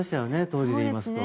当時で言いますと。